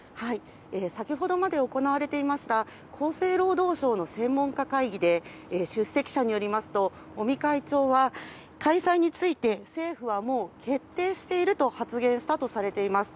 先ほどまで行われていました厚生労働省の専門家会議で出席者によりますと尾身会長は、開催について政府はもう決定していると発言したとされています。